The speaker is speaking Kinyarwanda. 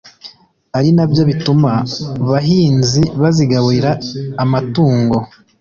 ari nabyo bituma bahinzi bazigaburira amatungo